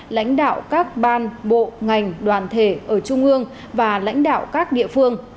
lãnh đạo các ban bộ ngành đoàn thể ở trung ương và lãnh đạo các địa phương